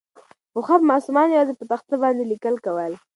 پخوا به ماسومانو یوازې په تخته باندې لیکل کول.